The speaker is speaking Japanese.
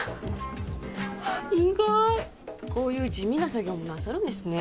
意外こういう地味な作業もなさるんですね